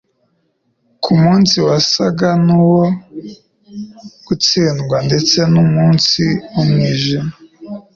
ku munsi wasaga n'nwo gutsindwa ndetse n'umunsi w'umvijima.